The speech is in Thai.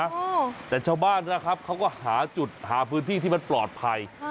ก็ยังงานน่ะครับเขาก็หาจุดหาพื้นที่ที่มันปลอดภัย